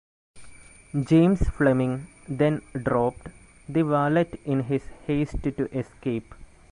James Fleming then dropped the wallet in his haste to escape.